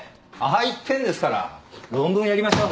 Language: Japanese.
ああ言ってんですから論文やりましょ。